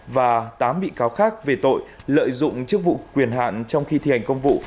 và tám bị cáo khác về tội lợi dụng chức vụ quyền hạn trong khi thi hành công vụ